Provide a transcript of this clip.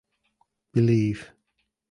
Believe.